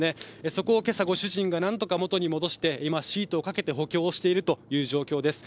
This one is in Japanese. そこをけさ、ご主人がなんとか元に戻して、今、シートをかけて補強をしているという状況です。